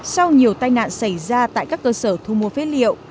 sau nhiều tai nạn xảy ra tại các cơ sở thu mua phế liệu